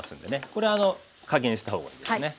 これは加減したほうがいいですね。